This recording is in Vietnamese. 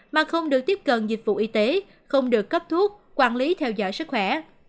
mà không được tiếp cận dịch vụ y tế không được cấp thuốc quản lý theo dõi sức khỏe